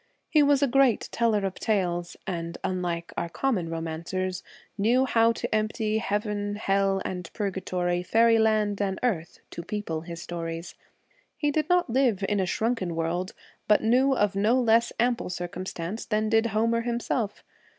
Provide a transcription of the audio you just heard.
He was a great teller of tales, and unlike our common romancers, knew how to empty heaven, hell, and pur gatory, faeryland and earth, to people his stories. He did not live in a shrunken world, but knew of no less ample circum stance than did Homer himself.